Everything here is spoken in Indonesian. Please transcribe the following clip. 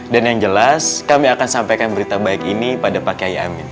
dan yang jelas kami akan sampaikan berita baik ini pada pak kyai amin